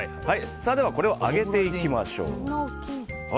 これを揚げていきましょう。